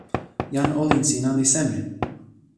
jan olin sina li seme?